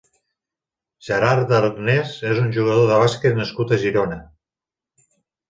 Gerard Darnés és un jugador de bàsquet nascut a Girona.